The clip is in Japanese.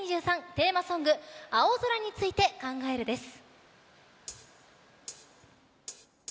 テーマソング「青空について考える」です。